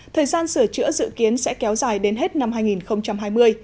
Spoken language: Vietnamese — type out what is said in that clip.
thời gian sửa chữa dự kiến sẽ kéo dài đến hết năm hai nghìn hai mươi